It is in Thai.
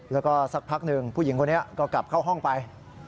แล้วก็สักพักหนึ่งผู้หญิงคนนี้ก็กลับเข้าห้องไป